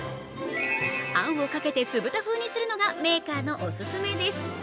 あんをかけて酢豚風にするのがメーカーのオススメです。